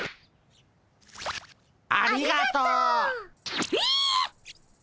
ありがとう。えっ！